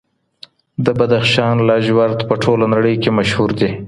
د بدخشان لاجورد په ټوله نړۍ کي مشهور دي.